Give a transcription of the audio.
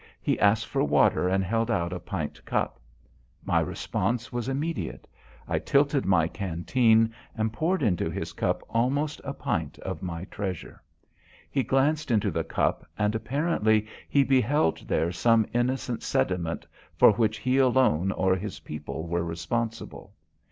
He asked for water and held out a pint cup. My response was immediate. I tilted my canteen and poured into his cup almost a pint of my treasure. He glanced into the cup and apparently he beheld there some innocent sediment for which he alone or his people were responsible.